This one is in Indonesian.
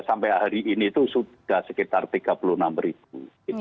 sampai hari ini itu sudah sekitar tiga puluh enam ribu